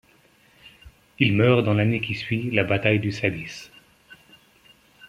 Il meurt dans l'année qui suit la bataille du Sabis.